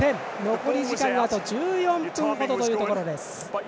残り時間はあと１４分程というところです。